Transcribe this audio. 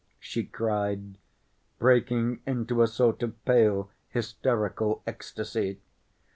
she cried, breaking into a sort of pale, hysterical ecstasy.